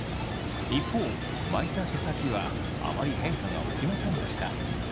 一方巻いた毛先はあまり変化が起きませんでした。